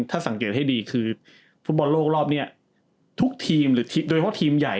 ถ้าสังเกตให้ดีคือฟุตบอลโลกรอบนี้ทุกทีมหรือโดยเฉพาะทีมใหญ่